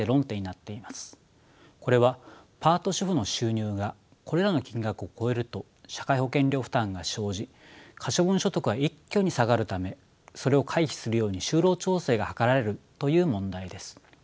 これはパート主婦の収入がこれらの金額を超えると社会保険料負担が生じ可処分所得が一挙に下がるためそれを回避するように就労調整が図られるという問題です。